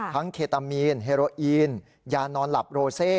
เคตามีนเฮโรอีนยานอนหลับโรเซ